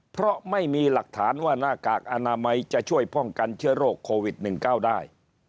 เพราะไม่มีหลักฐานว่าหน้ากากอนามัยจะช่วยป้องกันเชื้อโรคโควิด๑๙ได้